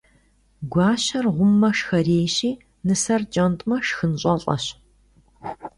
Гуащэр гъуммэ, шхэрейщи, нысэр кӀэнтӀмэ, шхын щӀэлӀэщ.